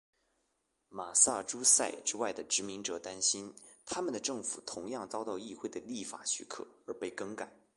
马萨诸塞之外的殖民者担心他们的政府同样遭到议会的立法许可而被更改。